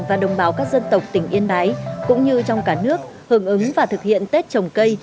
và đồng bào các dân tộc tỉnh yên bái cũng như trong cả nước hưởng ứng và thực hiện tết trồng cây